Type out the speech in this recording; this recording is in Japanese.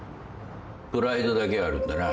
プライドだけはあるんだな。